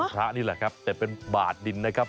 พระนี่แหละครับแต่เป็นบาดดินนะครับ